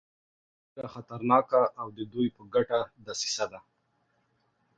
یوه ډېره خطرناکه او د دوی په ګټه دسیسه ده.